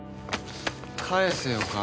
返せよ金。